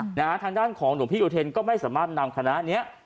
ทางด้านของหลวงพี่อุเทนก็ไม่สามารถนำคณะเนี้ย